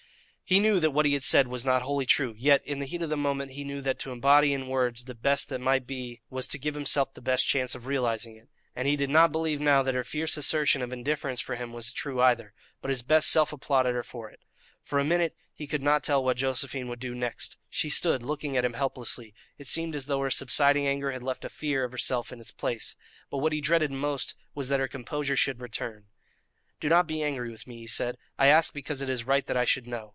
He knew that what he had said was not wholly true, yet, in the heat of the moment, he knew that to embody in words the best that might be was to give himself the best chance of realizing it; and he did not believe now that her fierce assertion of indifference for him was true either, but his best self applauded her for it. For a minute he could not tell what Josephine would do next. She stood looking at him helplessly; it seemed as though her subsiding anger had left a fear of herself in its place. But what he dreaded most was that her composure should return. "Do not be angry with me," he said; "I ask because it is right that I should know.